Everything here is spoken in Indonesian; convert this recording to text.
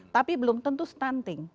tapi belum tentu stunting